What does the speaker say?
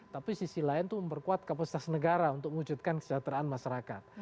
tapi sisi lain itu memperkuat kapasitas negara untuk mewujudkan kesejahteraan masyarakat